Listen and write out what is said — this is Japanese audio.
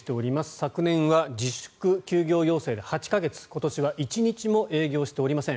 昨年は自粛、休業要請で８か月今年は１日も営業しておりません。